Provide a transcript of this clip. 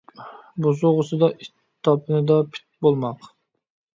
بوسۇغىسىدا ئىت، تاپىنىدا پىت بولماق